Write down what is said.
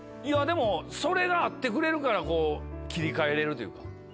でもそれがあってくれるから切り替えれるというか。